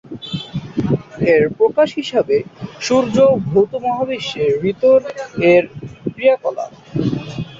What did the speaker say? এর প্রকাশ হিসাবে সূর্য, ভৌত মহাবিশ্বে ঋত-এর ক্রিয়াকলাপ।